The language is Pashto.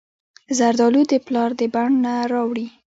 زردالو د پلار د بڼ نه راوړي.